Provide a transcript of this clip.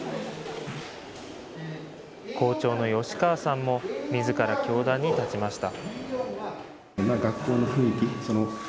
校長の吉川さんも、みずから教壇に立ちました。